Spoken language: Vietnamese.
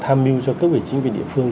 tham mưu cho các vị chính quy địa phương